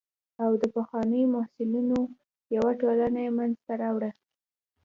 او د پخوانیو محصلینو یوه ټولنه یې منځته راوړه.